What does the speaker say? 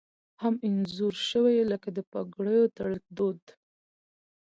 هم انځور شوي لکه د پګړیو تړل دود